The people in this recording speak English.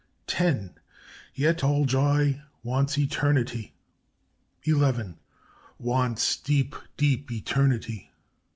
"'TEN! "'Yet all joy wants eternity, ...' "'ELEVEN! "'Wants deep, deep eternity!'